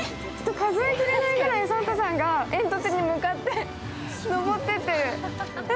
数え切れないぐらいサンタさんが煙突に向かって登っていってる。